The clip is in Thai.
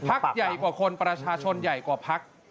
ใหญ่กว่าคนประชาชนใหญ่กว่าพัก